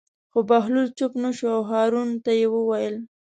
خو بهلول چوپ نه شو او هارون ته یې وویل.